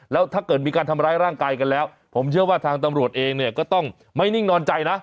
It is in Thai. แล้วถ้าเกิดมีการทำร้ายร่างกายกันแล้วผมเชื่อว่าทางตำรวจเองเนี่ยก็ต้องไม่นิ่งนอนใจนะ